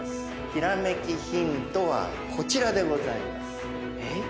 ひらめきヒントはこちらでございます。